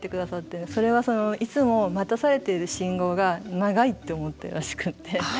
それはいつも待たされている信号が長いって思ってるらしくって。